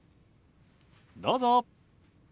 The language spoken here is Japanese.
どうぞ。